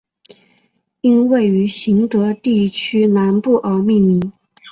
因位于行德地区南部而命名。